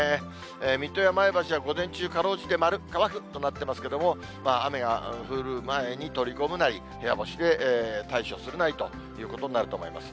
水戸や前橋は午前中、かろうじて丸、乾くとなってますけれども、雨が降る前に取り込むなり、部屋干しで対処するなりということになると思います。